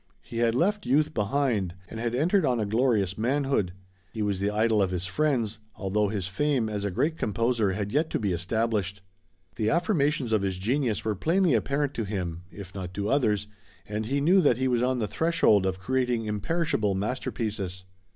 He had left youth behind, and had entered on a glorious manhood. He was the idol of his friends, although his fame as a great composer had yet to be established. The affirmations of his genius were plainly apparent to him, if not to others, and he knew that he was on the threshold of creating imperishable masterpieces.